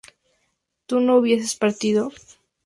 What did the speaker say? ¿tú no hubieses partido?